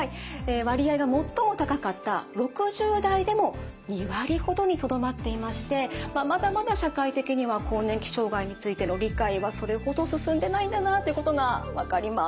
割合が最も高かった６０代でも２割ほどにとどまっていましてまだまだ社会的には更年期障害についての理解はそれほど進んでないんだなっていうことが分かります。